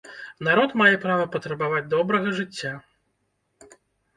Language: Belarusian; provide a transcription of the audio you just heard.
Народ мае права патрабаваць добрага жыцця.